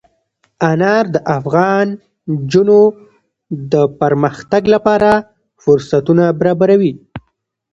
انار د افغان نجونو د پرمختګ لپاره فرصتونه برابروي.